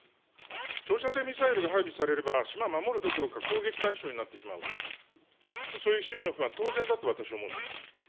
長射程ミサイルが配備されれば島を守るどころか、攻撃対象になってしまうと、そういう市民の不安は当然だと私は思うんです。